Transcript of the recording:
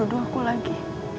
tapi seseorang kemana mana juga